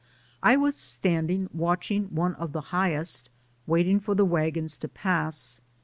I was standing watching one of the highest, waiting for the wagons to pass.